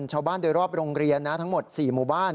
ชาวบ้านโดยรอบโรงเรียนนะทั้งหมด๔หมู่บ้าน